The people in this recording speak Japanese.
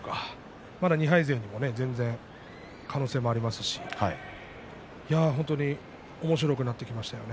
まだ２敗勢も全然可能性がありますし本当におもしろくなってきましたよね。